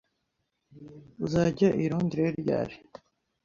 Uzajya i Londres ryari?